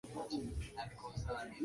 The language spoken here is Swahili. Nilisikia habari zake